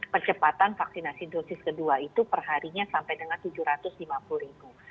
percepatan vaksinasi dosis kedua itu perharinya sampai dengan tujuh ratus lima puluh ribu